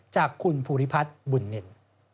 จากคุณภูริพัฒน์บุญนิน